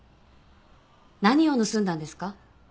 何を盗んだんですか？